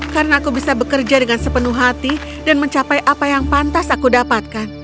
karena aku bisa bekerja dengan sepenuh hati dan mencapai apa yang pantas aku dapatkan